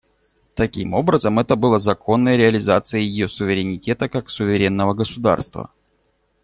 Таким образом, это было законной реализацией ее суверенитета как суверенного государства.